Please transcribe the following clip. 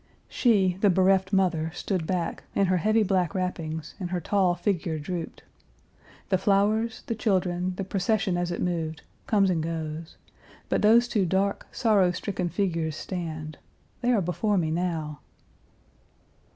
She, the bereft Page 310 mother, stood back, in her heavy black wrappings, and her tall figure drooped. The flowers, the children, the procession as it moved, comes and goes, but those two dark, sorrow stricken figures stand; they are before me now!